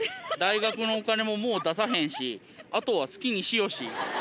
「大学のお金ももー出さへんしあとは好きにしよし」。